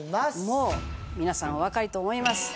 もう皆さんおわかりと思います。